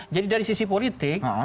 jadi dari sisi politik